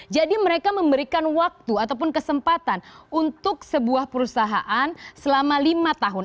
jadi mereka memberikan waktu ataupun kesempatan untuk sebuah perusahaan selama lima tahun